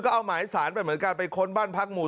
ก็เอามาจะเฉาวมการไปค้นบ้านภาคหมู๓